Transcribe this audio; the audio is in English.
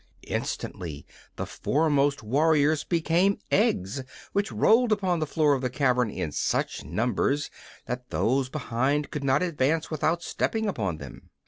Instantly the foremost warriors became eggs, which rolled upon the floor of the cavern in such numbers that those behind could not advance without stepping upon them.